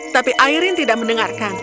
tapi aireen tidak mendengarkan